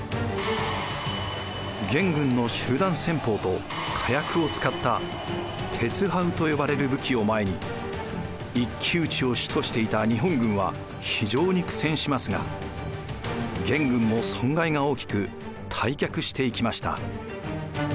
元軍の集団戦法と火薬を使ったてつはうと呼ばれる武器を前に一騎打ちを主としていた日本軍は非常に苦戦しますが元軍も損害が大きく退却していきました。